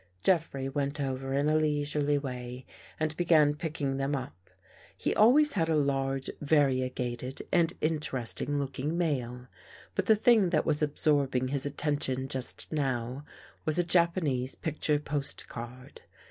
Jeffrey went over in a leisurely way and began picking them up. He always had a large, varie gated and interesting looking mail. But the thing that was absorbing his attention just now, was a Japanese picture postcard.